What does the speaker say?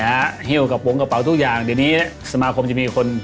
ฮิ้วกระโปรงกระเป๋าทุกอย่างเดี๋ยวนี้สมาคมจะมีคน